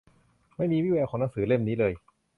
ไม่มีวี่แววของหนังสือเล่มนี้เลย